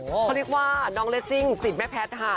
เขาเรียกว่าน้องเลสซิ่งสิทธิ์แม่แพทย์ค่ะ